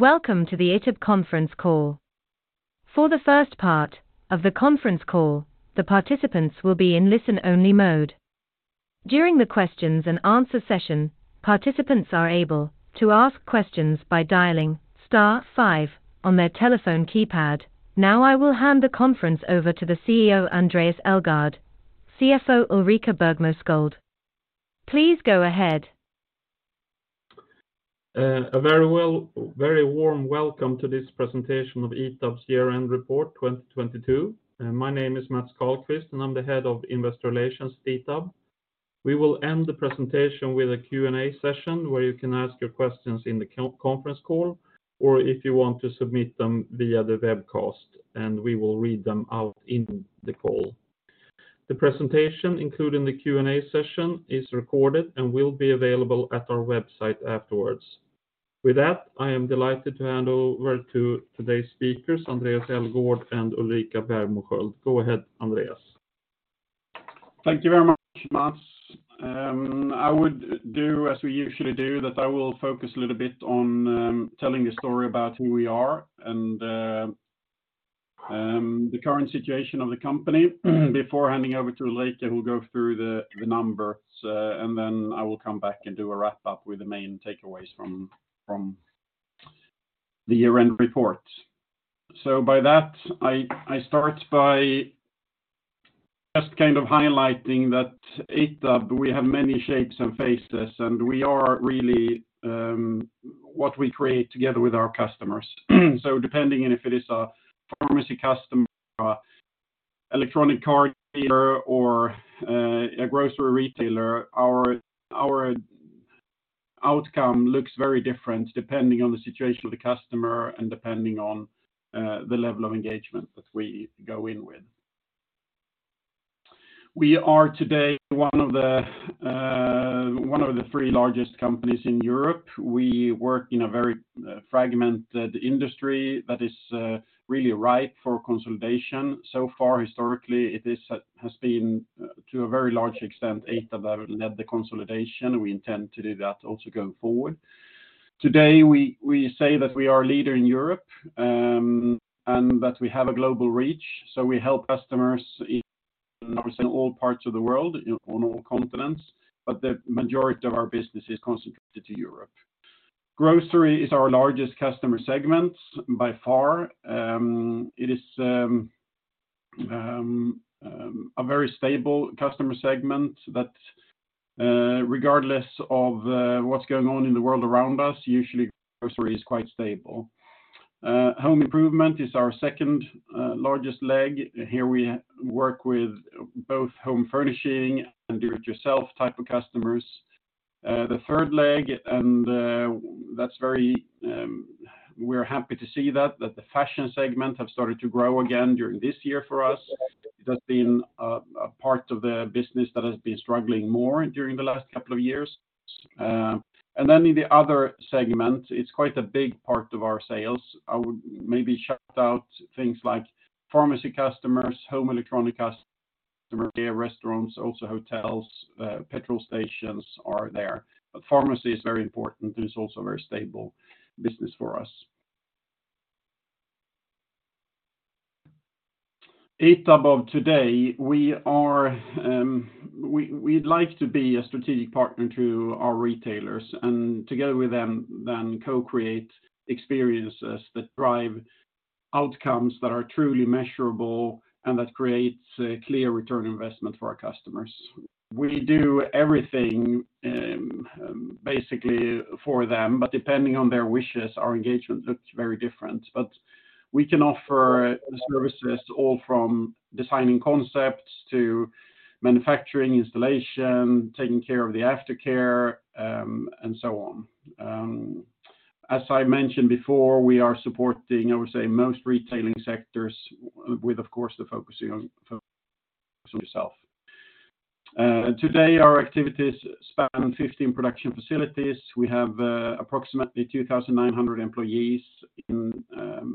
Welcome to the ITAB conference call. For the first part of the conference call, the participants will be in listen-only mode. During the questions and answer session, participants are able to ask questions by dialing star five on their telephone keypad. I will hand the conference over to the CEO, Andréas Elgaard, CFO Ulrika Bergmo Sköld. Please go ahead. A very warm welcome to this presentation of ITAB's year-end report 2022. My name is Mats Karlqvist, I'm the Head of Investor Relations at ITAB. We will end the presentation with a Q&A session where you can ask your questions in the conference call or if you want to submit them via the webcast, we will read them out in the call. The presentation, including the Q&A session, is recorded and will be available at our website afterwards. With that, I am delighted to hand over to today's speakers, Andréas Elgaard and Ulrika Bergmo Sköld. Go ahead, Andréas. Thank you very much, Mats. I would do as we usually do, that I will focus a little bit on, telling a story about who we are and, the current situation of the company before handing over to Ulrika, who will go through the numbers, and then I will come back and do a wrap-up with the main takeaways from the year-end report. By that, I start by just kind of highlighting that ITAB, we have many shapes and faces, and we are really, what we create together with our customers. Depending on if it is a pharmacy customer, or a electronic card dealer or, a grocery retailer, our outcome looks very different depending on the situation of the customer and depending on, the level of engagement that we go in with. We are today one of the three largest companies in Europe. We work in a very fragmented industry that is really ripe for consolidation. Far, historically, it has been, to a very large extent, ITAB that led the consolidation. We intend to do that also going forward. Today, we say that we are a leader in Europe, and that we have a global reach. We help customers in all parts of the world, on all continents, but the majority of our business is concentrated to Europe. Grocery is our largest customer segment by far. It is a very stable customer segment that regardless of what's going on in the world around us, usually grocery is quite stable. Home improvement is our second largest leg. Here we work with both home furnishing and do-it-yourself type of customers. The third leg, and that's very, we're happy to see that the fashion segment have started to grow again during this year for us. That's been a part of the business that has been struggling more during the last couple of years. In the other segment, it's quite a big part of our sales. I would maybe shout out things like pharmacy customers, home electronic customers, restaurants, also hotels, petrol stations are there. Pharmacy is very important and is also a very stable business for us. ITAB of today, we are, we'd like to be a strategic partner to our retailers and together with them then co-create experiences that drive outcomes that are truly measurable and that creates a clear return on investment for our customers. We do everything, basically for them, but depending on their wishes, our engagement looks very different. We can offer services all from designing concepts to manufacturing, installation, taking care of the aftercare, and so on. As I mentioned before, we are supporting, I would say, most retailing sectors with, of course, the focusing on yourself. Today our activities span 15 production facilities. We have approximately 2,900 employees in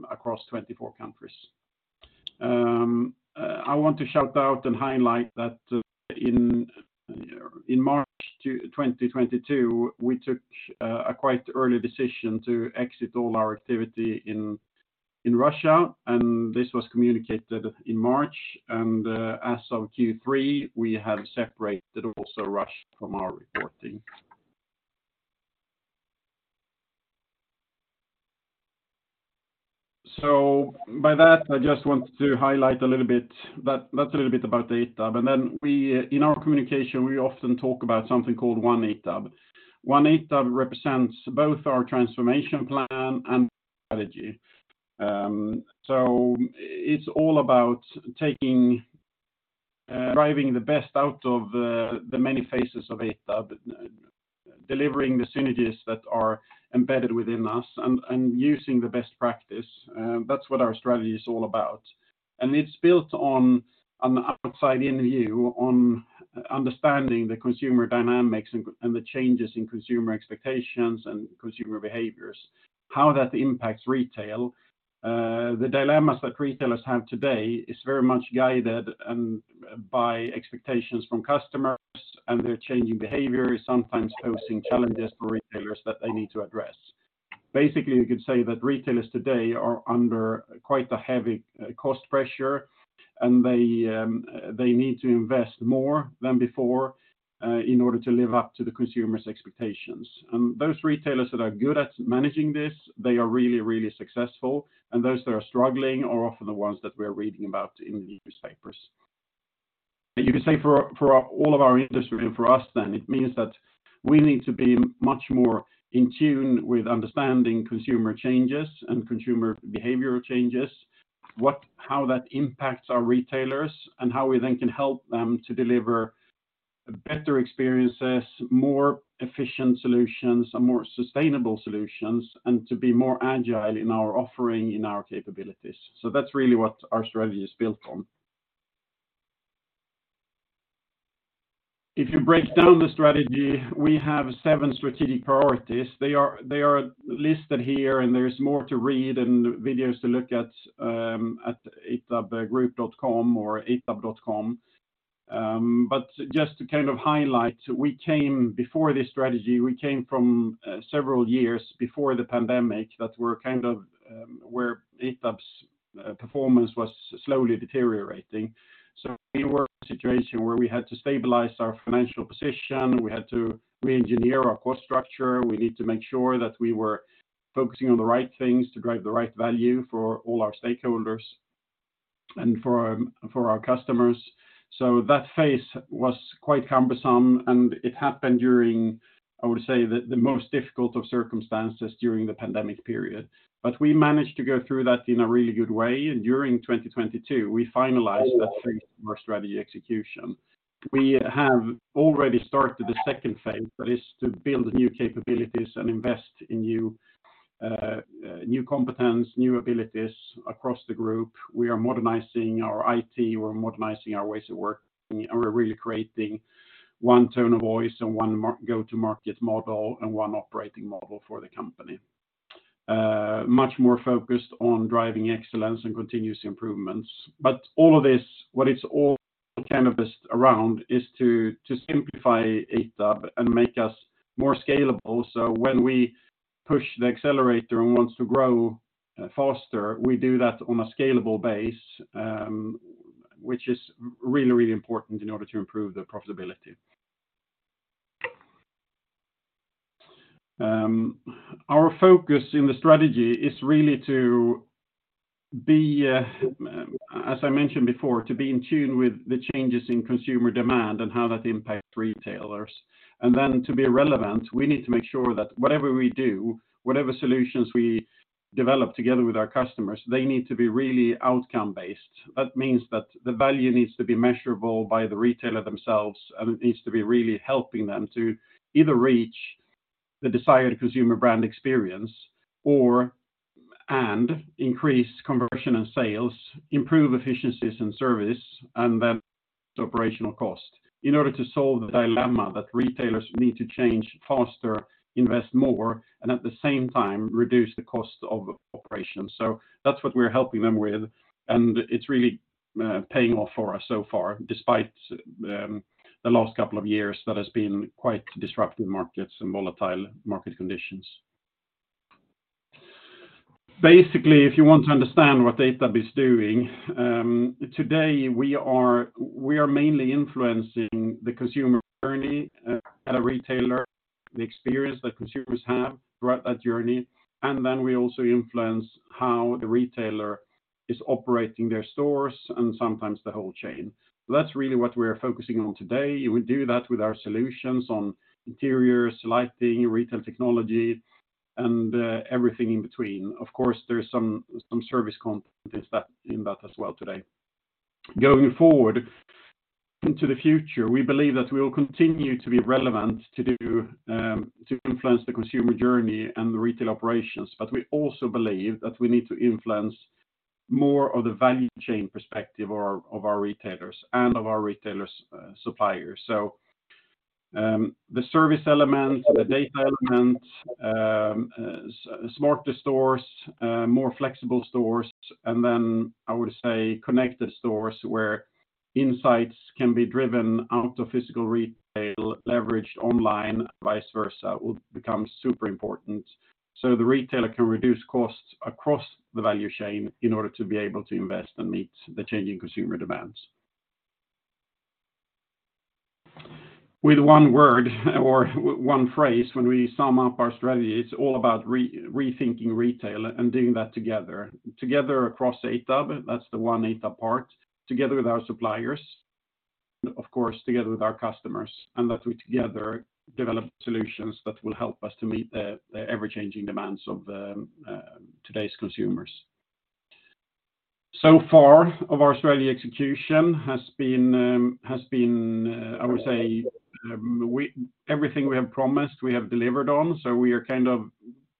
across 24 countries. I want to shout out and highlight that in March 2022, we took a quite early decision to exit all our activity in Russia, and this was communicated in March. As of Q3, we have separated also Russia from our reporting. By that, I just want to highlight a little bit, that that's a little bit about ITAB. We, in our communication, we often talk about something called One ITAB. One ITAB represents both our transformation plan and strategy. So it's all about taking, driving the best out of the many faces of ITAB, delivering the synergies that are embedded within us and using the best practice. That's what our strategy is all about. It's built on an outside-in view, on understanding the consumer dynamics and the changes in consumer expectations and consumer behaviors, how that impacts retail. The dilemmas that retailers have today is very much guided by expectations from customers and their changing behavior, sometimes posing challenges for retailers that they need to address. Basically, you could say that retailers today are under quite a heavy cost pressure, and they need to invest more than before in order to live up to the consumers' expectations. Those retailers that are good at managing this, they are really, really successful, and those that are struggling are often the ones that we're reading about in the newspapers. You could say for all of our industry and for us then, it means that we need to be much more in tune with understanding consumer changes and consumer behavioral changes, how that impacts our retailers, and how we then can help them to deliver better experiences, more efficient solutions, and more sustainable solutions, and to be more agile in our offering, in our capabilities. That's really what our strategy is built on. If you break down the strategy, we have seven strategic priorities. They are listed here, and there's more to read and videos to look at at itabgroup.com or itab.com. Just to kind of highlight, Before this strategy, we came from several years before the pandemic that were kind of where ITAB's performance was slowly deteriorating. We were in a situation where we had to stabilize our financial position, we had to reengineer our cost structure, we need to make sure that we were focusing on the right things to drive the right value for all our stakeholders and for our customers. That phase was quite cumbersome, and it happened during, I would say, the most difficult of circumstances during the pandemic period. We managed to go through that in a really good way, and during 2022, we finalized that phase of our strategy execution. We have already started the second phase, that is to build new capabilities and invest in new competence, new abilities across the group. We are modernizing our IT, we're modernizing our ways of working, and we're really creating one tone of voice and one go-to-market model and one operating model for the company. Much more focused on driving excellence and continuous improvements. All of this, what it's all canvassed around is to simplify ITAB and make us more scalable. When we push the accelerator and wants to grow faster, we do that on a scalable base, which is really, really important in order to improve the profitability. Our focus in the strategy is really to be, as I mentioned before, to be in tune with the changes in consumer demand and how that impacts retailers. To be relevant, we need to make sure that whatever we do, whatever solutions we develop together with our customers, they need to be really outcome-based. That means that the value needs to be measurable by the retailer themselves, and it needs to be really, helping them to either reach the desired consumer brand experience or, and increase conversion and sales, improve efficiencies and service, and then the operational cost, in order to solve the dilemma that retailers need to change faster, invest more, and at the same time, reduce the cost of operations. That's what we're helping them with, and it's really, paying off for us so far, despite, the last couple of years that has been quite disruptive markets and volatile market conditions. Basically, if you want to understand what ITAB is doing today, we are mainly influencing the consumer journey at a retailer, the experience that consumers have throughout that journey, and then we also influence how the retailer is operating their stores and sometimes the whole chain. That's really what we are focusing on today. We do that with our solutions on interiors, lighting, retail technology, and everything in between. Of course, there are some service components in that as well today. Going forward into the future, we believe that we will continue to be relevant to do to influence the consumer journey and the retail operations, but we also believe that we need to influence more of the value chain perspective or of our retailers and of our retailers' suppliers. The service element, the data element, smarter stores, more flexible stores, and then I would say connected stores where insights can be driven out of physical retail, leveraged online, vice versa, will become super important. The retailer can reduce costs across the value chain in order to be able to invest and meet the changing consumer demands. With one word or one phrase, when we sum up our strategy, it's all about rethinking retail and doing that together. Together across ITAB, that's the One ITAB part. Together with our suppliers, of course, together with our customers, and that we together develop solutions that will help us to meet the ever-changing demands of today's consumers. Far of our strategy execution has been, I would say, everything we have promised, we have delivered on. We are kind of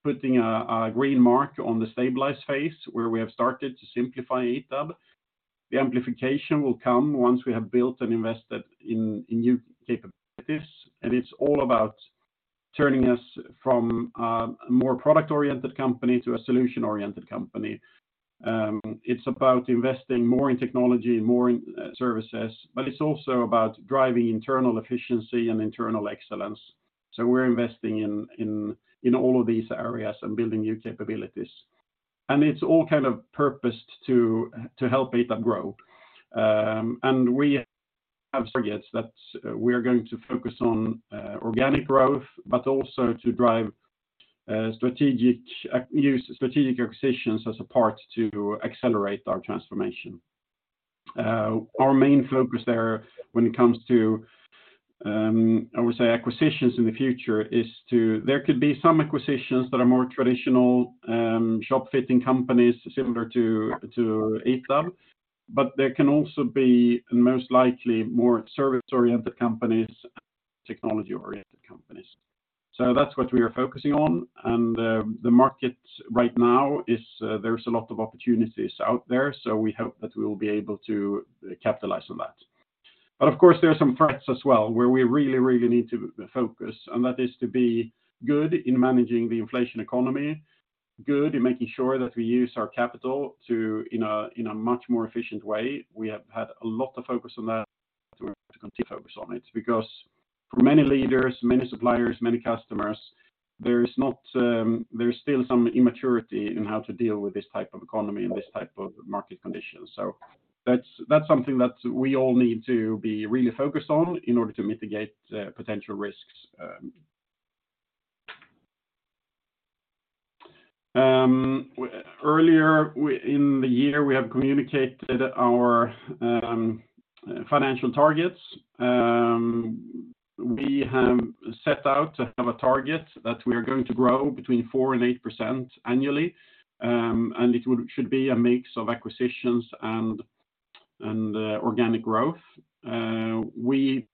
putting a green mark on the stabilize phase, where we have started to simplify ITAB. The amplification will come once we have built and invested in new capabilities. It's all about turning us from a more product-oriented company to a solution-oriented company. It's about investing more in technology and more in services, but it's also about driving internal efficiency and internal excellence. We're investing in all of these areas and building new capabilities. It's all kind of purposed to help ITAB grow. We have targets that we are going to focus on organic growth, but also to drive use strategic acquisitions as a part to accelerate our transformation. Our main focus there when it comes to I would say acquisitions in the future is to... There could be some acquisitions that are more traditional, shop fitting companies similar to ITAB, but there can also be most likely more service-oriented companies and technology-oriented companies. That's what we are focusing on, and the market right now is, there's a lot of opportunities out there. We hope that we will be able to capitalize on that. Of course, there are some threats as well where we really need to focus, and that is to be good in managing the inflation economy, good in making sure that we use our capital to, in a much more efficient way. We have had a lot of focus on that, and we have to continue to focus on it because for many leaders, many suppliers, many customers, there is not, there is still some immaturity in how to deal with this type of economy and this type of market conditions. That's something that we all need to be really focused on in order to mitigate potential risks. Earlier in the year, we have communicated our financial targets. We have set out to have a target that we are going to grow between 4% and 8% annually, and it should be a mix of acquisitions and organic growth. We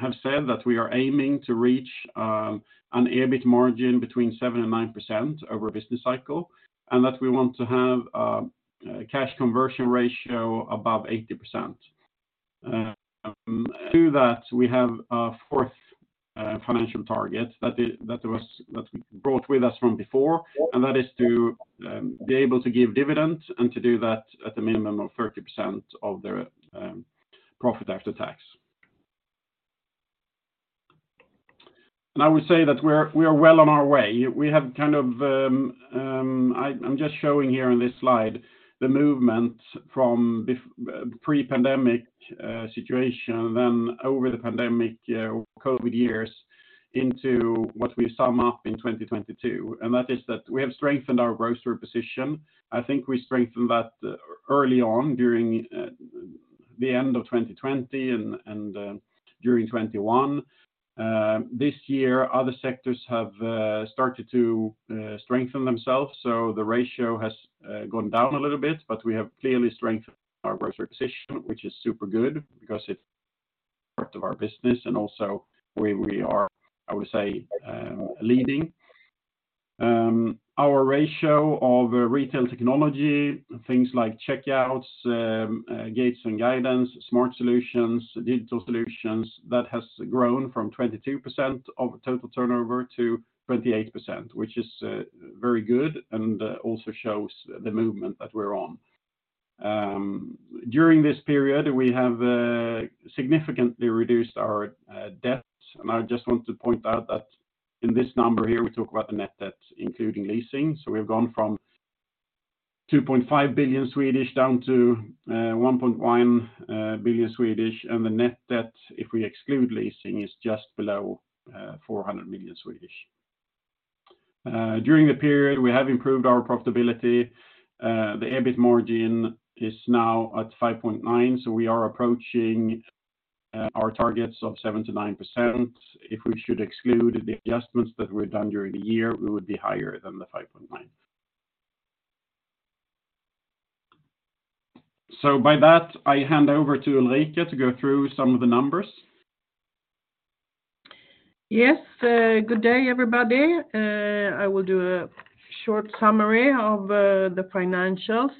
have said that we are aiming to reach an EBIT margin between 7% and 9% over a business cycle, and that we want to have a cash conversion ratio above 80%. To that, we have a fourth financial target that we brought with us from before, and that is to be able to give dividends and to do that at the minimum of 30% of the profit after tax. I would say that we are well on our way. We have kind of I'm just showing here on this slide the movement from pre-pandemic situation then over the pandemic COVID years into what we sum up in 2022, and that is that we have strengthened our grocery position. I think we strengthened that early on during the end of 2020 and during 2021. This year, other sectors have started to strengthen themselves, so the ratio has gone down a little bit, but we have clearly strengthened our grocery position, which is super good because it's part of our business and also where we are, I would say, leading. Our ratio of retail technology, things like checkouts, gates and guidance, smart solutions, digital solutions, that has grown from 22% of total turnover to 28%, which is very good and also shows the movement that we're on. During this period, we have significantly reduced our debt, and I just want to point out that in this number here, we talk about the net debt including leasing. We've gone from 2.5 billion down to 1.1 billion, and the net debt, if we exclude leasing, is just below 400 million. During the period, we have improved our profitability. The EBIT margin is now at 5.9%, so we are approaching our targets of 7%-9%. If we should exclude the adjustments that were done during the year, we would be higher than 5.9%. By that, I hand over to Ulrika to go through some of the numbers. Yes. Good day, everybody. I will do a short summary of the financials.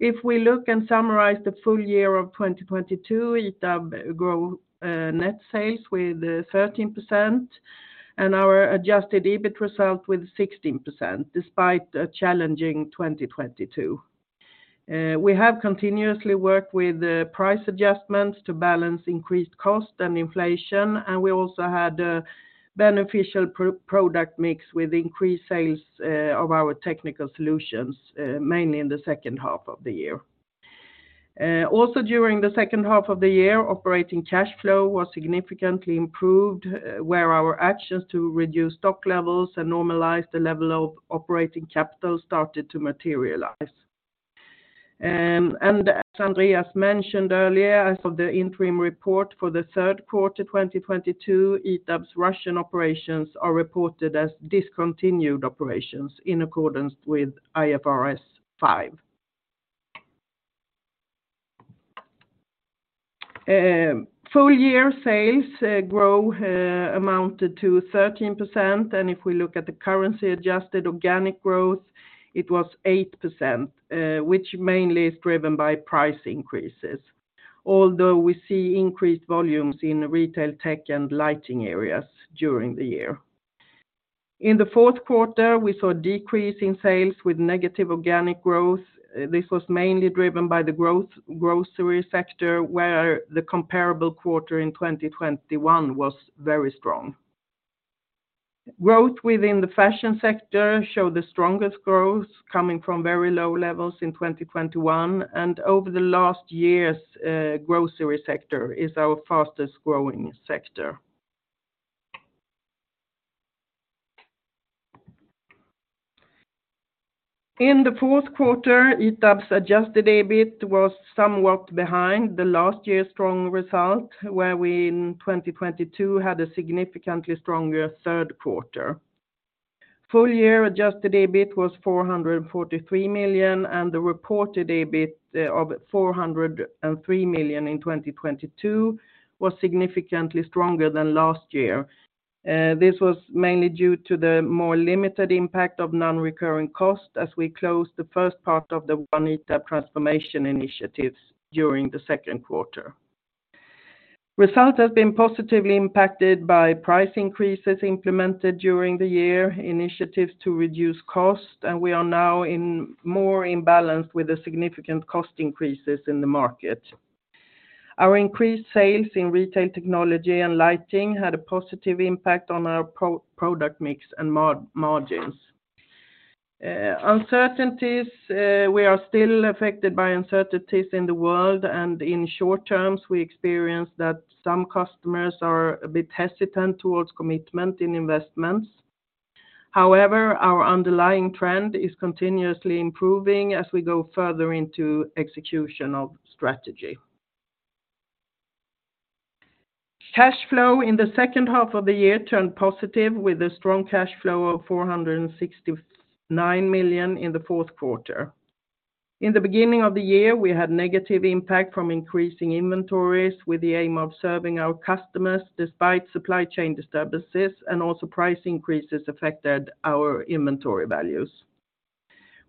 If we look and summarize the full year of 2022, ITAB grow net sales with 13% and our adjusted EBIT result with 16% despite a challenging 2022. We have continuously worked with price adjustments to balance increased cost and inflation, and we also had a beneficial product mix with increased sales of our technical solutions mainly in the second half of the year. Also during the second half of the year, operating cash flow was significantly improved, where our actions to reduce stock levels and normalize the level of operating capital started to materialize. As Andréas mentioned earlier, as of the interim report for the third quarter 2022, ITAB's Russian operations are reported as discontinued operations in accordance with IFRS 5. Full-year sales amounted to 13%, and if we look at the currency-adjusted organic growth, it was 8%, which mainly is driven by price increases. We see increased volumes in retail tech and lighting areas during the year. In the fourth quarter, we saw a decrease in sales with negative organic growth. This was mainly driven by the grocery sector, where the comparable quarter in 2021 was very strong. Growth within the fashion sector showed the strongest growth coming from very low levels in 2021. Over the last years, grocery sector is our fastest growing sector. In the fourth quarter, ITAB's adjusted EBIT was somewhat behind the last year's strong result, where we in 2022 had a significantly stronger third quarter. Full year adjusted EBIT was 443 million, and the reported EBIT of 403 million in 2022 was significantly stronger than last year. This was mainly due to the more limited impact of non-recurring costs as we closed the first part of the One ITAB transformation initiatives during the second quarter. Results have been positively impacted by price increases implemented during the year, initiatives to reduce costs, and we are now in more in balance with the significant cost increases in the market. Our increased sales in retail technology and lighting had a positive impact on our pro-product mix and margins. Uncertainties, we are still affected by uncertainties in the world, and in short terms, we experience that some customers are a bit hesitant towards commitment in investments. However, our underlying trend is continuously improving as we go further into execution of strategy. Cash flow in the second half of the year turned positive with a strong cash flow of 469 million in the fourth quarter. In the beginning of the year, we had negative impact from increasing inventories with the aim of serving our customers despite supply chain disturbances and also price increases affected our inventory values.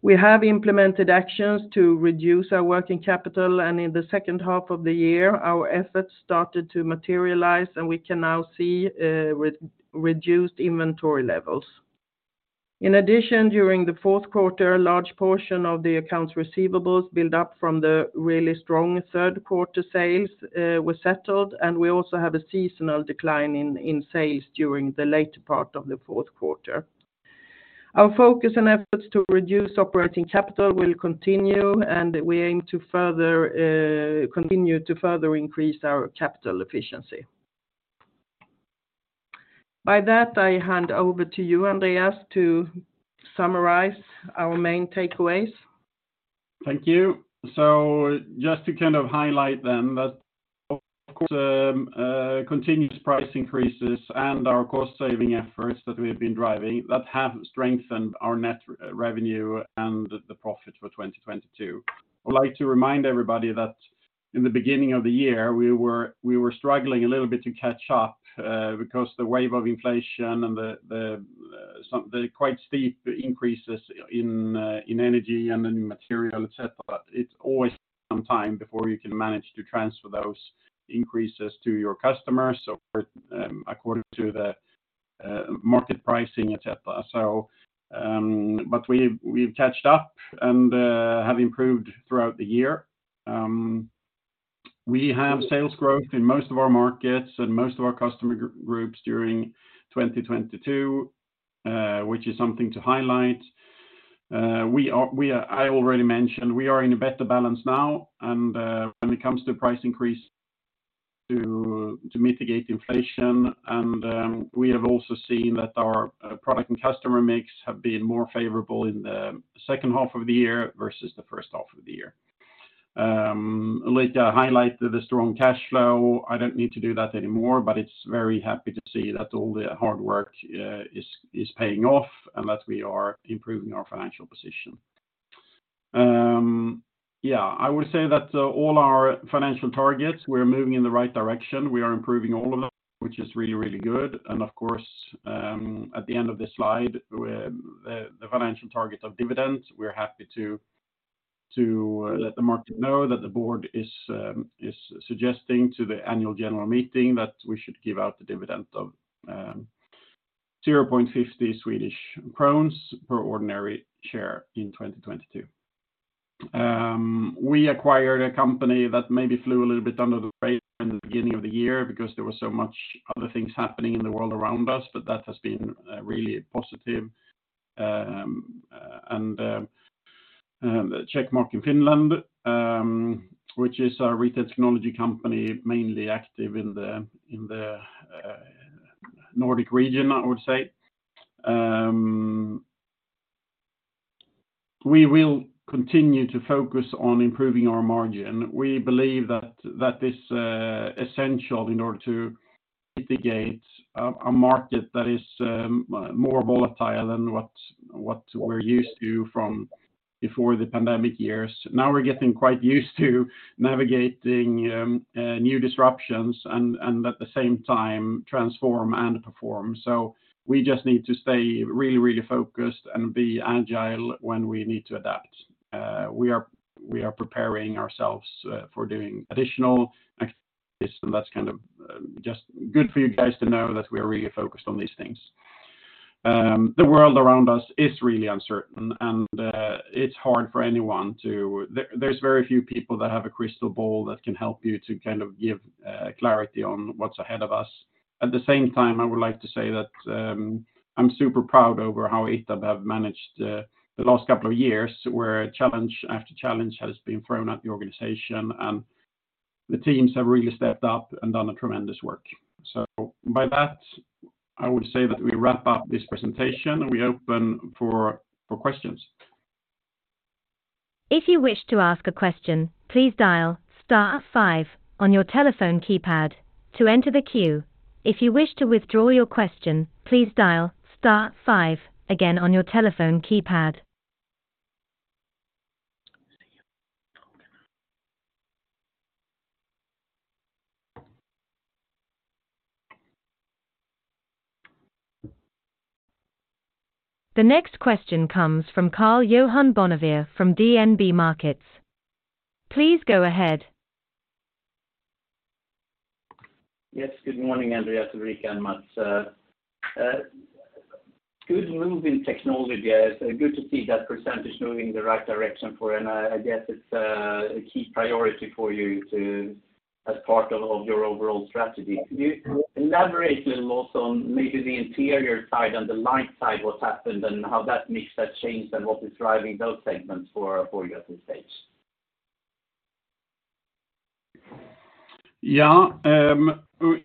We have implemented actions to reduce our working capital, and in the second half of the year, our efforts started to materialize, and we can now see, re-reduced inventory levels. In addition, during the fourth quarter, a large portion of the accounts receivables built up from the really strong third quarter sales were settled, and we also have a seasonal decline in sales during the later part of the fourth quarter. Our focus and efforts to reduce operating capital will continue, and we aim to continue to further increase our capital efficiency. By that, I hand over to you, Andréas, to summarize our main takeaways. Thank you. Just to kind of highlight then that, of course, continuous price increases and our cost saving efforts that we've been driving that have strengthened our net revenue and the profit for 2022. I'd like to remind everybody that in the beginning of the year, we were struggling a little bit to catch up because the wave of inflation and the quite steep increases in energy and in material, et cetera, it always take some time before you can manage to transfer those increases to your customers or according to the market pricing, et cetera. We've caught up and have improved throughout the year. We have sales growth in most of our markets and most of our customer groups during 2022, which is something to highlight. We are in a better balance now. When it comes to price increase to mitigate inflation, we have also seen that our product and customer mix have been more favorable in the second half of the year versus the first half of the year. Like I highlighted the strong cash flow, I don't need to do that anymore, but it's very happy to see that all the hard work is paying off and that we are improving our financial position. Yeah, I would say that all our financial targets, we're moving in the right direction. We are improving all of them, which is really, really good. Of course, at the end of this slide, the financial targets of dividends, we're happy to let the market know that the board is suggesting to the annual general meeting that we should give out the dividend of 0.50 Swedish crowns per ordinary share in 2022. We acquired a company that maybe flew a little bit under the radar in the beginning of the year because there was so much other things happening in the world around us, but that has been really positive. Checkmat in Finland, which is a retail technology company mainly active in the Nordic region, I would say. We will continue to focus on improving our margin. We believe that that is essential in order to mitigate a market that is more volatile than what we're used to from before the pandemic years. Now we're getting quite used to navigating new disruptions and at the same time transform and perform. we just need to stay really, really focused and be agile when we need to adapt. we are preparing ourselves for doing additional acquisition. That's just good for you guys to know that we are really focused on these things. The world around us is really uncertain, and it's hard for anyone. There's very few people that have a crystal ball that can help you to give clarity on what's ahead of us. At the same time, I would like to say that I'm super proud over how ITAB have managed the last couple of years, where challenge after challenge has been thrown at the organization, and the teams have really stepped up and done a tremendous work. By that, I would say that we wrap up this presentation, and we open for questions. If you wish to ask a question, please dial star five on your telephone keypad to enter the queue. If you wish to withdraw your question, please dial star five again on your telephone keypad. The next question comes from Karl-Johan Bonnevier from DNB Markets. Please go ahead. Good morning, Andréas, Ulrika, and Mats. Good move in technology there. Good to see that percentage moving in the right direction for and I guess it's a key priority for you to, as part of your overall strategy. Could you elaborate a little also on maybe the interior side and the light side, what's happened and how that mix has changed and what is driving those segments for you at this stage? Yeah.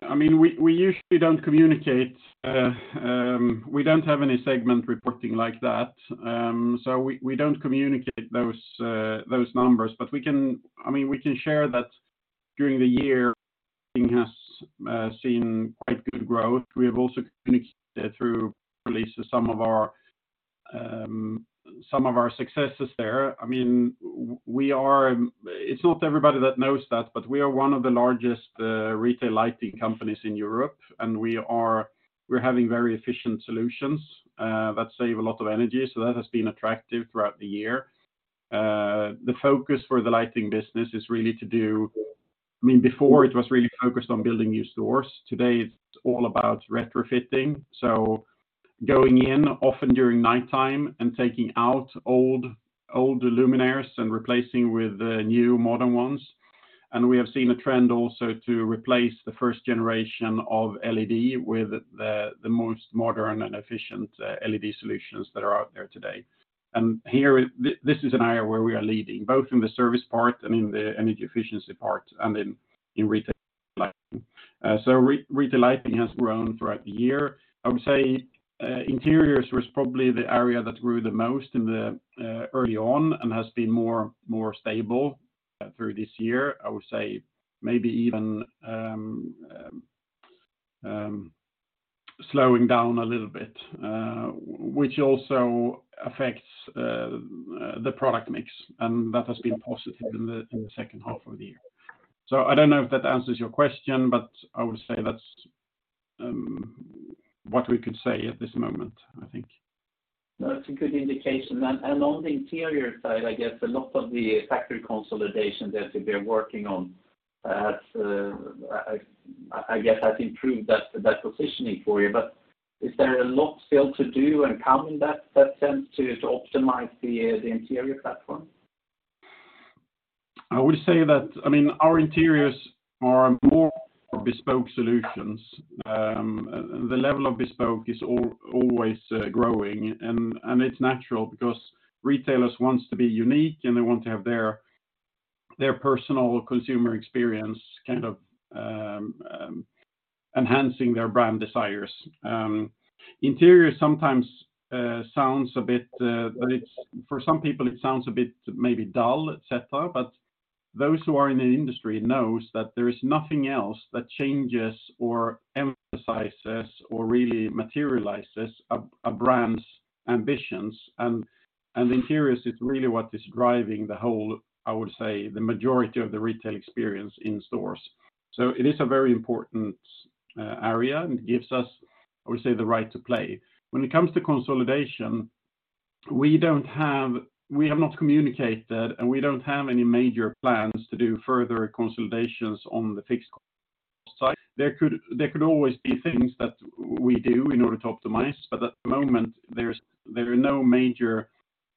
I mean, we usually don't communicate We don't have any segment reporting like that. we don't communicate those numbers. We can share that during the year, lighting has, seen quite good growth. We have also communicated through releases some of our, some of our successes there. I mean, we are... It's not everybody that knows that, but we are one of the largest, retail lighting companies in Europe, and we are, we're having very efficient solutions, that save a lot of energy, so that has been attractive throughout the year. The focus for the lighting business is really to do... I mean, before it was really focused on building new stores. Today, it's all about retrofitting, so going in, often during nighttime, and taking out old luminaires and replacing with new modern ones. We have seen a trend also to replace the first generation of LED with the most modern and efficient LED solutions that are out there today. Here, this is an area where we are leading, both in the service part and in the energy efficiency part and in retail lighting. Retail lighting has grown throughout the year. I would say, interiors was probably the area that grew the most in the early on and has been more, more stable through this year. I would say maybe even slowing down a little bit, which also affects the product mix, and that has been positive in the second half of the year. I don't know if that answers your question, but I would say that's what we could say at this moment, I think. No, that's a good indication. On the interior side, I guess a lot of the factory consolidation that you've been working on has, I guess has improved that positioning for you. Is there a lot still to do and come in that sense to optimize the interior platform? I would say that, I mean, our interiors are more bespoke solutions. The level of bespoke is always growing, and it's natural because retailers wants to be unique, and they want to have their personal consumer experience kind of, enhancing their brand desires. Interior sometimes sounds a bit. For some people, it sounds a bit maybe dull, et cetera, but those who are in the industry knows that there is nothing else that changes or emphasizes or really materializes a brand's ambitions. Interiors is really what is driving the whole, I would say, the majority of the retail experience in stores. It is a very important area, and it gives us, I would say, the right to play. When it comes to consolidation, we don't have... We have not communicated. We don't have any major plans to do further consolidations on the fixed site. There could always be things that we do in order to optimize, but at the moment, there are no major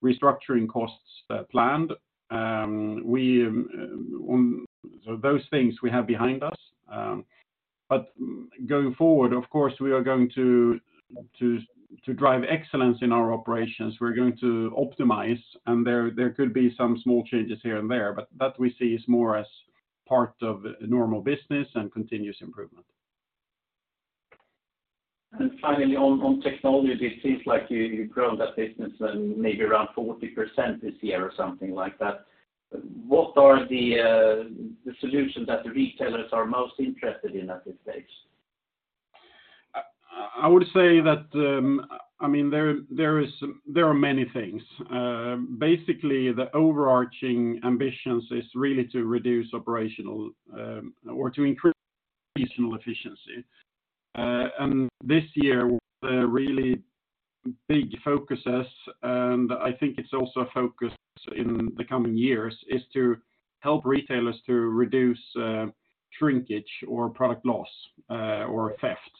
restructuring costs planned. Those things we have behind us. Going forward, of course, we are going to drive excellence in our operations. We're going to optimize, and there could be some small changes here and there, but that we see as more as part of normal business and continuous improvement. Finally, on technology, it seems like you've grown that business, maybe around 40% this year or something like that. What are the solutions that the retailers are most interested in at this stage? I would say that, I mean, there are many things. Basically, the overarching ambitions is really to reduce operational or to increase regional efficiency. This year was a really big focus, and I think it's also a focus in the coming years, is to help retailers to reduce shrinkage or product loss or theft.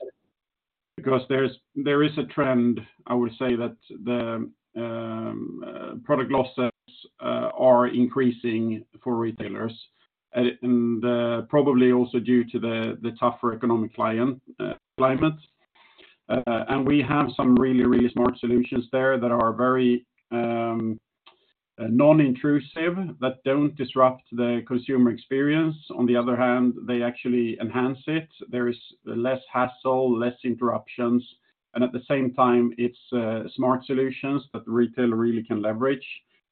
Because there is a trend, I would say that the product loss sales are increasing for retailers. Probably also due to the tougher economic climate. We have some really, really smart solutions there that are very non-intrusive, that don't disrupt the consumer experience. On the other hand, they actually enhance it. There is less hassle, less interruptions, and at the same time, it's smart solutions that the retailer really can leverage,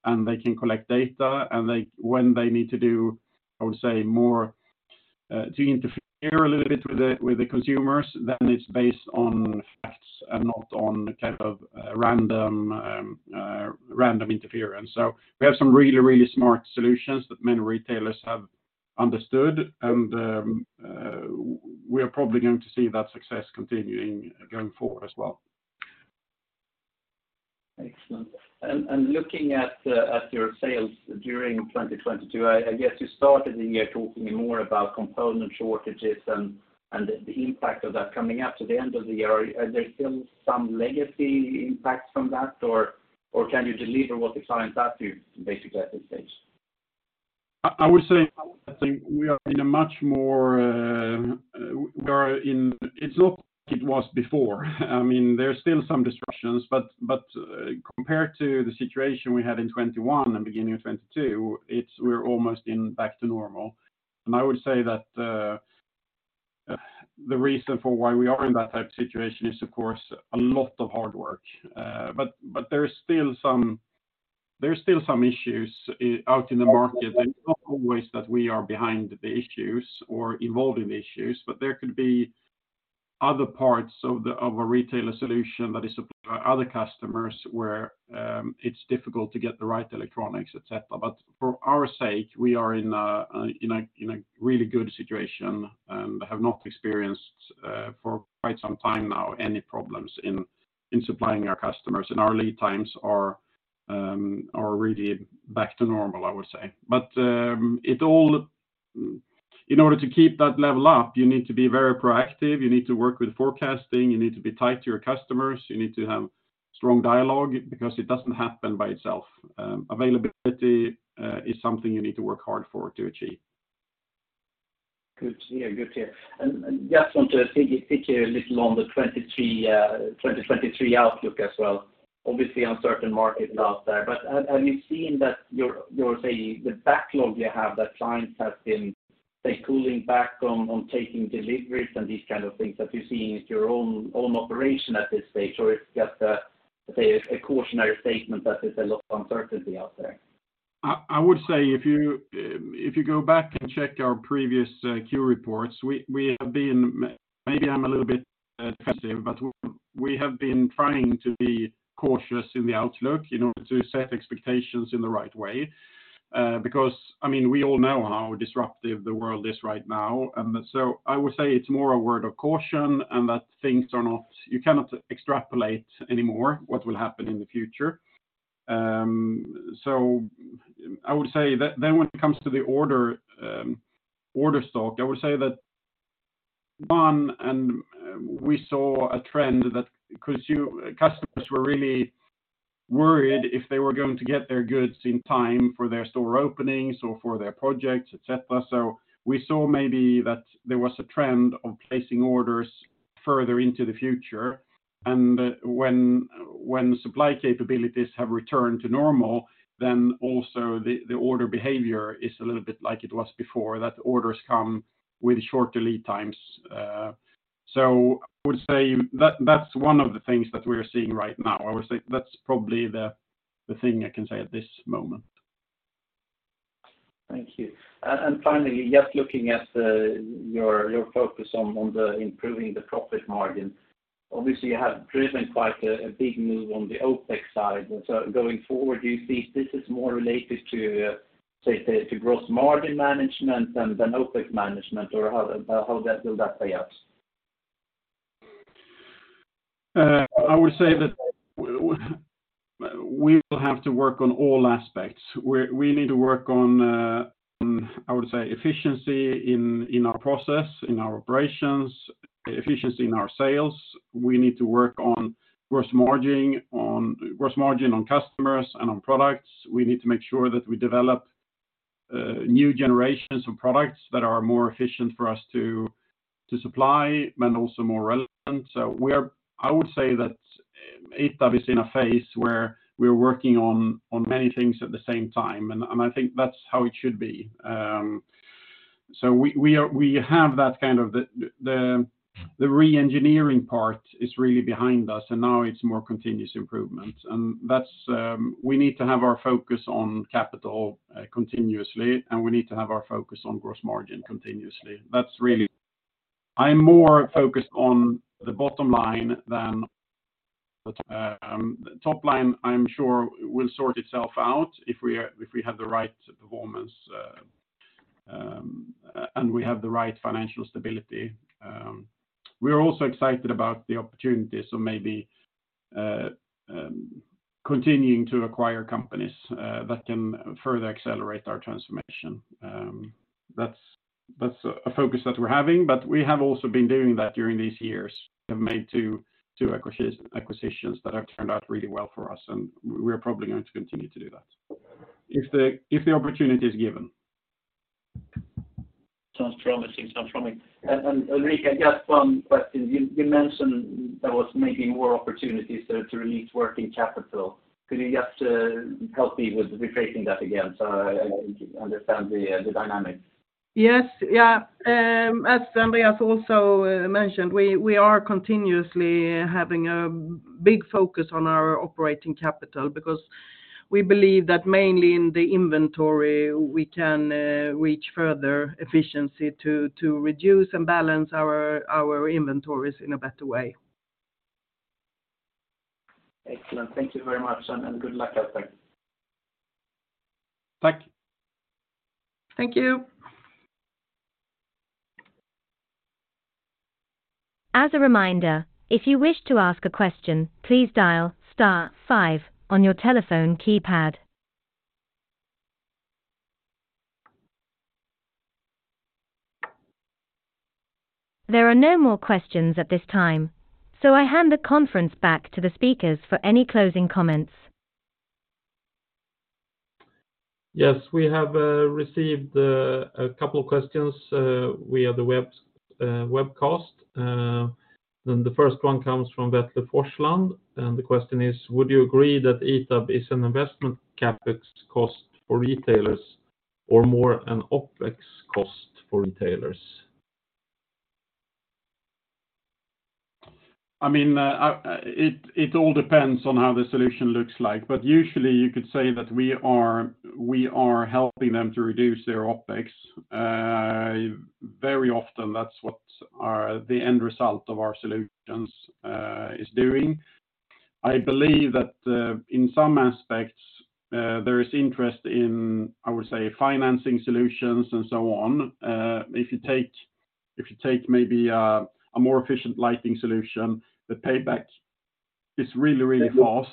and they can collect data and when they need to do, I would say, more to interfere a little bit with the consumers, then it's based on facts and not on kind of random random interference. We have some really, really smart solutions that many retailers have understood and we are probably going to see that success continuing going forward as well. Excellent. Looking at your sales during 2022, I guess you started the year talking more about component shortages and the impact of that coming up to the end of the year. Are there still some legacy impacts from that or can you deliver what the clients ask you basically at this stage? I would say we are in a much more. It's not like it was before. I mean, there's still some disruptions, but compared to the situation we had in 2021 and beginning of 2022, it's, we're almost in back to normal. I would say that the reason for why we are in that type of situation is of course a lot of hard work. There's still some issues out in the market and not always that we are behind the issues or involved in the issues. There could be other parts of the, of a retailer solution that is supplied by other customers where it's difficult to get the right electronics, et cetera. For our sake, we are in a really good situation and have not experienced for quite some time now any problems in supplying our customers and our lead times are really back to normal, I would say. In order to keep that level up, you need to be very proactive. You need to work with forecasting. You need to be tight to your customers. You need to have strong dialogue because it doesn't happen by itself. Availability is something you need to work hard for to achieve. Good to hear. Good to hear. Just want to dig a little on the 2023 outlook as well. Obviously uncertain market out there. Have you seen that your, say, the backlog you have that clients have been, say, pulling back on taking deliveries and these kind of things that you're seeing into your own operation at this stage? Or it's just a, say, a cautionary statement that there's a lot of uncertainty out there? I would say if you go back and check our previous Q reports, we have been. Maybe I'm a little bit defensive, but we have been trying to be cautious in the outlook in order to set expectations in the right way. Because I mean, we all know how disruptive the world is right now. So I would say it's more a word of caution and that things are not. You cannot extrapolate anymore what will happen in the future. So I would say that then when it comes to the order stock, I would say that, one, and we saw a trend that consumers, customers were really worried if they were going to get their goods in time for their store openings or for their projects, et cetera. We saw maybe that there was a trend of placing orders further into the future. When supply capabilities have returned to normal, then also the order behavior is a little bit like it was before, that orders come with shorter lead times. I would say that's one of the things that we are seeing right now. I would say that's probably the thing I can say at this moment. Thank you. Finally, just looking at your focus on the improving the profit margin, obviously you have driven quite a big move on the OpEx side. Going forward, do you see this is more related to say to gross margin management than OpEx management? Or will that play out? I would say that we will have to work on all aspects. We need to work on, I would say efficiency in our process, in our operations, efficiency in our sales. We need to work on gross margin on customers and on products. We need to make sure that we develop new generations of products that are more efficient for us to supply and also more relevant. I would say that ITAB is in a phase where we're working on many things at the same time, and I think that's how it should be. We are, we have that kind of the re-engineering part is really behind us, and now it's more continuous improvement. That's, we need to have our focus on capital continuously, and we need to have our focus on gross margin continuously. That's really. I'm more focused on the bottom line than the top, the top line I'm sure will sort itself out if we are, if we have the right performance. We have the right financial stability. We are also excited about the opportunities of maybe, continuing to acquire companies, that can further accelerate our transformation. That's a focus that we're having, but we have also been doing that during these years. We have made two acquisitions that have turned out really well for us, and we're probably going to continue to do that if the opportunity is given. Sounds promising, sounds promising. Ulrika, just one question. You mentioned there was maybe more opportunities to release working capital. Could you just help me with rephrasing that again so I understand the dynamics? As Andréas also mentioned, we are continuously having a big focus on our operating capital because we believe that mainly in the inventory, we can reach further efficiency to reduce and balance our inventories in a better way. Excellent. Thank you very much, and good luck out there. Thank you. Thank you. As a reminder, if you wish to ask a question, please dial star five on your telephone keypad. There are no more questions at this time. I hand the conference back to the speakers for any closing comments. We have received a couple of questions via the webcast. The first one comes from Vetle Forsland, and the question is, would you agree that ITAB is an investment CapEx cost for retailers or more an OpEx cost for retailers? I mean, it all depends on how the solution looks like, usually you could say that we are helping them to reduce their OpEx. Very often that's what the end result of our solutions is doing. I believe that in some aspects, there is interest in, I would say, financing solutions and so on. If you take maybe a more efficient lighting solution, the payback is really, really fast.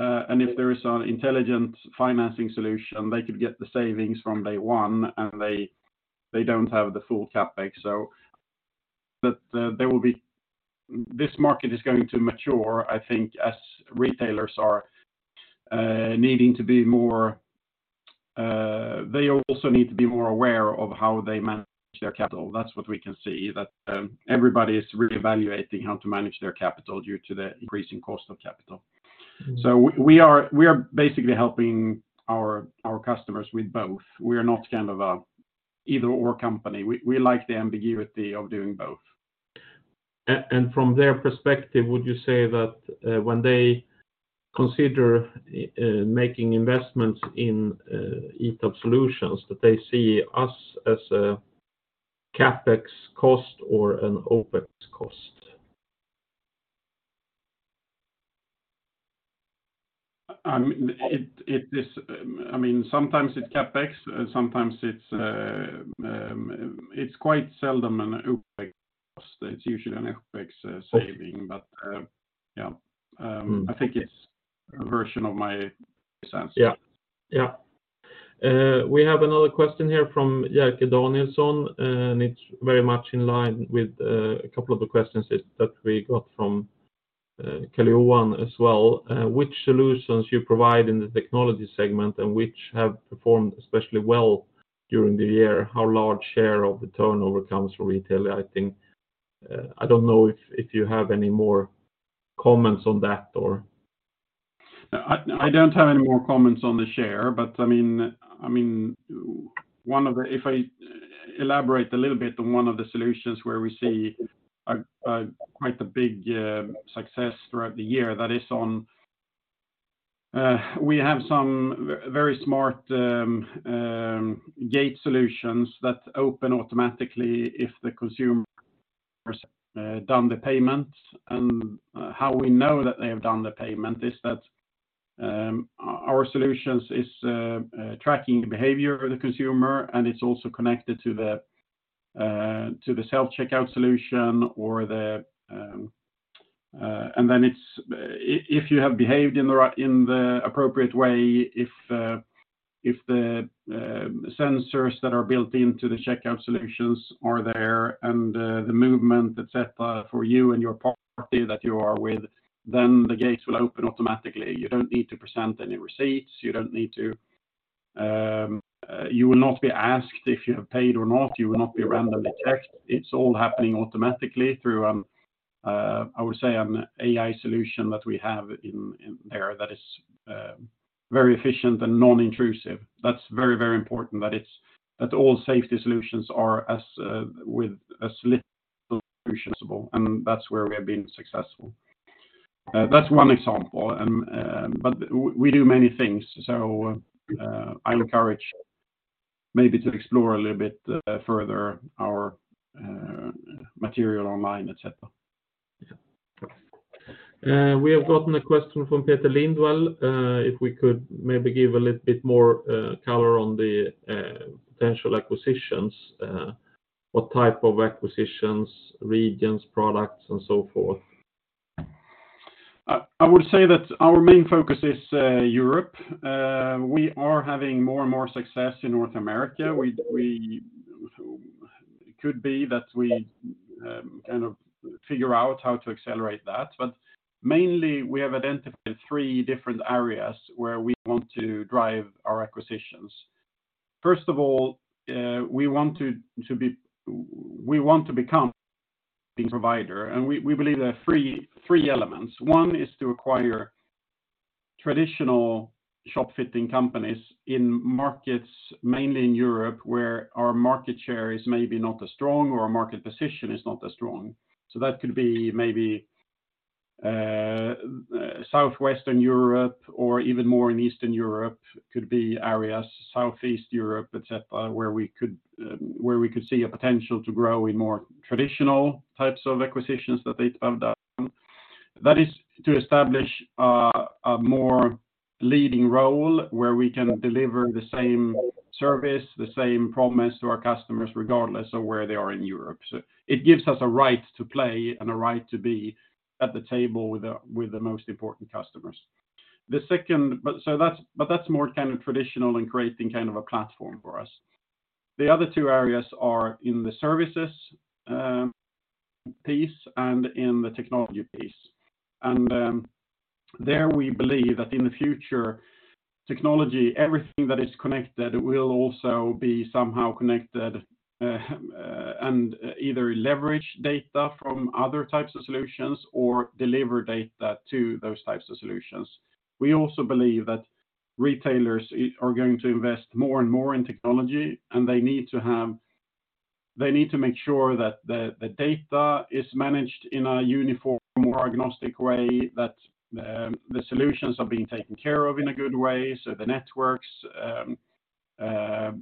If there is an intelligent financing solution, they could get the savings from day one, they don't have the full CapEx. This market is going to mature, I think, as retailers are needing to be more, they also need to be more aware of how they manage their capital. That's what we can see, that, everybody is really evaluating how to manage their capital due to the increasing cost of capital. We are basically helping our customers with both. We are not kind of a either/or company. We like the ambiguity of doing both. From their perspective, would you say that when they consider making investments in ITAB solutions, that they see us as a CapEx cost or an OpEx cost? It is, I mean, sometimes it's CapEx, sometimes it's quite seldom an OpEx cost. It's usually an OpEx saving. Yeah, I think it's a version of my sense. Yeah. Yeah. We have another question here from Jerker Danielsson, and it's very much in line with a couple of the questions is, that we got from Karl-Johan as well. Which solutions you provide in the technology segment and which have performed especially well during the year? How large share of the turnover comes from retail lighting? I don't know if you have any more comments on that or... I don't have any more comments on the share, but I mean, if I elaborate a little bit on one of the solutions where we see a quite a big success throughout the year, that is on, we have some very smart gate solutions that open automatically if the consumer has done the payment. And how we know that they have done the payment is that our solutions is tracking the behavior of the consumer, and it's also connected to the self-checkout solution or the. It's if you have behaved in the right, in the appropriate way, if the sensors that are built into the checkout solutions are there and the movement, et cetera, for you and your party that you are with, then the gates will open automatically. You don't need to present any receipts, you don't need to. You will not be asked if you have paid or not, you will not be randomly checked. It's all happening automatically through, I would say an AI solution that we have in there that is very efficient and non-intrusive. That's very important that all safety solutions are as with as little intrusion as possible, and that's where we have been successful. That's one example. We do many things, so I encourage maybe to explore a little bit further our material online, et cetera. We have gotten a question from Peter Lindwall, if we could maybe give a little bit more color on the potential acquisitions, what type of acquisitions, regions, products, and so forth? I would say that our main focus is Europe. We are having more and more success in North America. It could be that we kind of figure out how to accelerate that. Mainly, we have identified three different areas where we want to drive our acquisitions. First of all, we want to become the provider, and we believe there are three elements. One is to acquire traditional shop fitting companies in markets, mainly in Europe, where our market share is maybe not as strong or our market position is not as strong. That could be maybe southwestern Europe or even more in Eastern Europe, could be areas, Southeast Europe, et cetera, where we could where we could see a potential to grow in more traditional types of acquisitions that they have done. That is to establish a more leading role where we can deliver the same service, the same promise to our customers regardless of where they are in Europe. It gives us a right to play and a right to be at the table with the most important customers. That's more kind of traditional and creating kind of a platform for us. The other two areas are in the services piece and in the technology piece. There we believe that in the future, technology, everything that is connected will also be somehow connected and either leverage data from other types of solutions or deliver data to those types of solutions. We also believe that retailers are going to invest more and more in technology, and they need to make sure that the data is managed in a uniform or agnostic way, that the solutions are being taken care of in a good way. The networks, the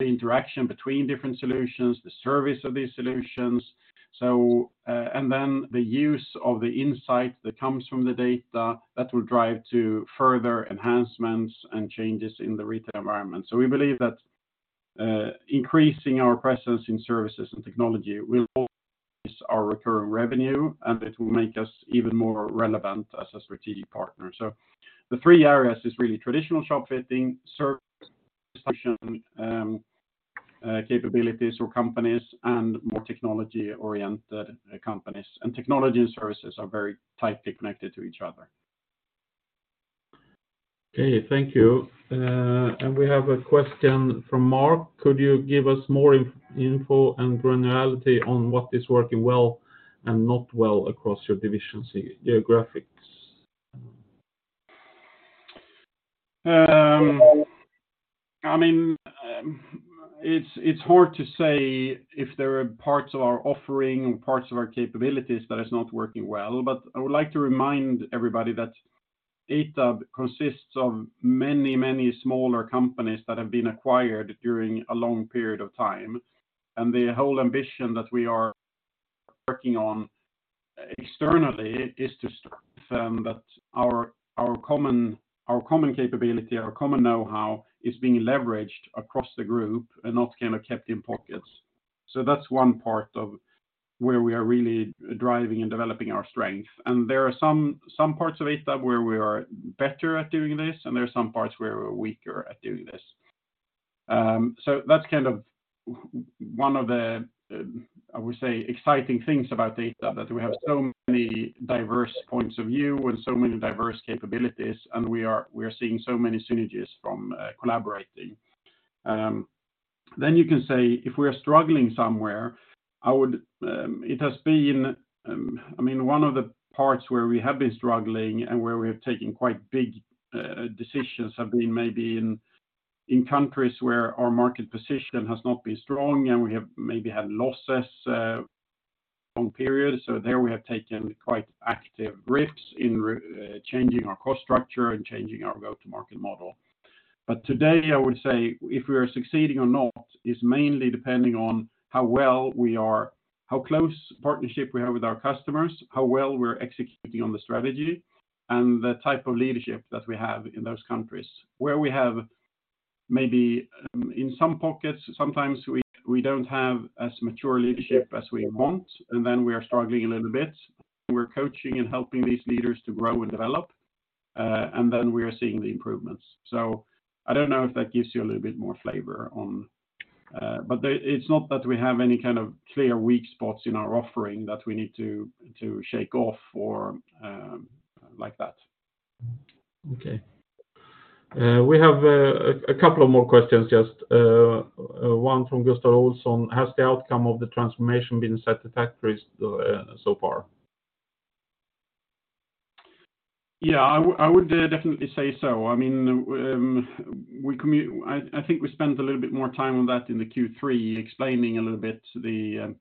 interaction between different solutions, the service of these solutions. The use of the insight that comes from the data that will drive to further enhancements and changes in the retail environment. We believe that increasing our presence in services and technology will increase our recurring revenue, and it will make us even more relevant as a strategic partner. The three areas is really traditional shop fitting, service solution capabilities or companies, and more technology-oriented companies. Technology and services are very tightly connected to each other. Okay, thank you. We have a question from Mark: Could you give us more info and granularity on what is working well and not well across your division geographics? I mean, it's hard to say if there are parts of our offering and parts of our capabilities that is not working well, but I would like to remind everybody that ITAB consists of many, many smaller companies that have been acquired during a long period of time. The whole ambition that we are working on externally is to confirm that our common capability, our common know-how is being leveraged across the group and not kind of kept in pockets. That's one part of where we are really driving and developing our strength. There are some parts of ITAB where we are better at doing this, and there are some parts where we're weaker at doing this. That's kind of one of the, I would say, exciting things about ITAB, that we have so many diverse points of view and so many diverse capabilities, and we are seeing so many synergies from collaborating. You can say if we are struggling somewhere. It has been, I mean, one of the parts where we have been struggling and where we have taken quite big decisions have been maybe in countries where our market position has not been strong and we have maybe had losses from periods. There we have taken quite active risks in changing our cost structure and changing our go-to-market model. Today, I would say if we are succeeding or not is mainly depending on how well we are, how close partnership we have with our customers, how well we're executing on the strategy, and the type of leadership that we have in those countries. Where we have maybe, in some pockets, sometimes we don't have as mature leadership as we want, and then we are struggling a little bit. We're coaching and helping these leaders to grow and develop, and then we are seeing the improvements. I don't know if that gives you a little bit more flavor on. It's not that we have any kind of clear weak spots in our offering that we need to shake off or like that. Okay. We have a couple of more questions just one from Gustav Olsson: Has the outcome of the transformation been satisfactory so so far? Yeah, I would definitely say so. I mean, I think we spent a little bit more time on that in the Q3, explaining a little bit the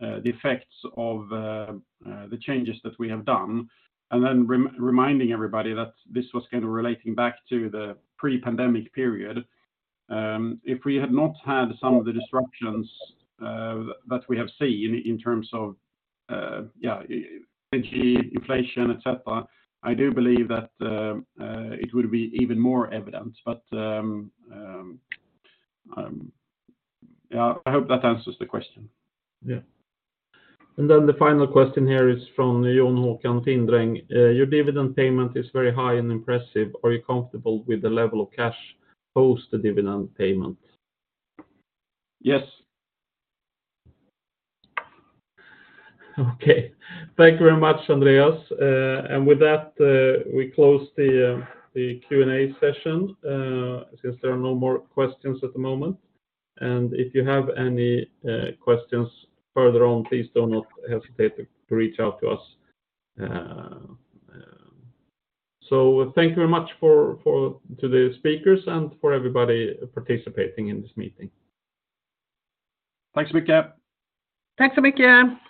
effects of the changes that we have done, and then reminding everybody that this was kind of relating back to the pre-pandemic period. If we had not had some of the disruptions that we have seen in terms of, yeah, energy, inflation, et cetera, I do believe that it would be even more evident. Yeah, I hope that answers the question. Yeah. Then the final question here is from Johan Håkan Tindreng: Your dividend payment is very high and impressive. Are you comfortable with the level of cash post the dividend payment? Yes. Okay. Thank you very much, Andréas. With that, we close the Q&A session since there are no more questions at the moment. If you have any questions further on, please do not hesitate to reach out to us. Thank you very much for to the speakers and for everybody participating in this meeting. Thanks a lot. Thanks a lot.